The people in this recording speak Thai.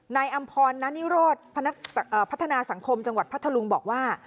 อำพรนานิโรธพัฒนาสังคมจังหวัดพัทธลุงบอกว่า